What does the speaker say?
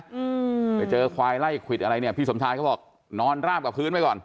อืมไปเจอควายไล่ควิดอะไรเนี้ยพี่สมชายเขาบอกนอนราบกับพื้นไว้ก่อน